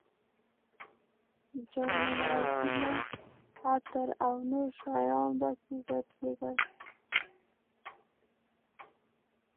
جاینمازونه، عطر او نور شیان په کې خرڅېدل.